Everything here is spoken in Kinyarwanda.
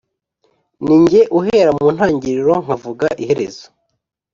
Ni jye uhera mu ntangiriro nkavuga iherezo